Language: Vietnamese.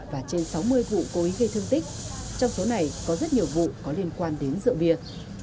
và trên sáu mươi vụ cố ý gây thương tích trong số này có rất nhiều vụ có liên quan đến rượu bia